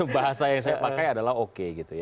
bahasa yang saya pakai adalah oke